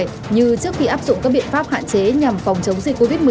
như trước khi áp dụng các biện pháp hạn chế nhằm phòng chống dịch covid một mươi